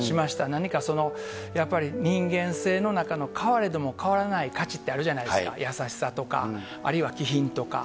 何かその、やっぱり人間性の中の変われども変わらない価値ってあるじゃないですか、優しさとかあるいは気品とか。